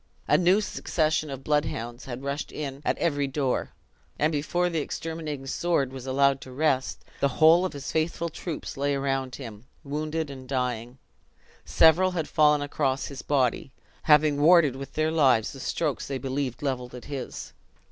A new succession of blood hounds had rushed in at every door; and before the exterminating sword was allowed to rest, the whole of his faithful troops lay around him, wounded and dying. Several had fallen across his body, having warded with their lives the strokes they believed leveled at his.